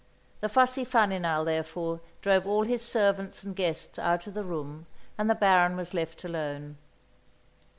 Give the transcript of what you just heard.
The fussy Faninal, therefore, drove all his servants and guests out of the room; and the Baron was left alone.